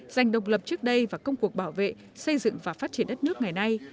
dành độc lập trước đây và công cuộc bảo vệ xây dựng và phát triển đất nước ngày nay